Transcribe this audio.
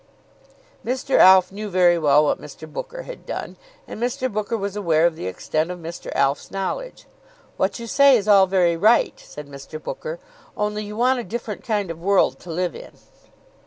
Mr. Alf knew very well what Mr. Booker had done, and Mr. Booker was aware of the extent of Mr. Alf's knowledge. "What you say is all very right," said Mr. Booker; "only you want a different kind of world to live in."